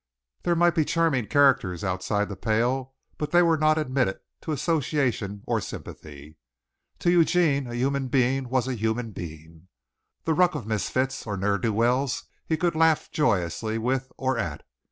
There might be charming characters outside the pale, but they were not admitted to association or sympathy. To Eugene a human being was a human being. The ruck of misfits or ne'er do wells he could laugh joyously with or at.